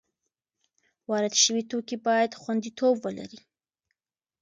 وارد شوي توکي باید خوندیتوب ولري.